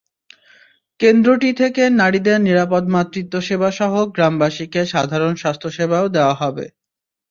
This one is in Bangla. কেন্দ্রটি থেকে নারীদের নিরাপদ মাতৃত্ব সেবাসহ গ্রামবাসীকে সাধারণ স্বাস্থ্যসেবাও দেওয়া হবে।